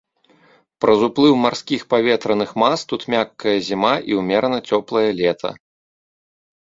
Праз уплыў марскіх паветраных мас тут мяккая зіма і ўмерана цёплае лета.